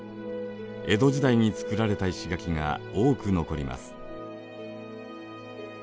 江戸時代につくられた石垣が多く残ります。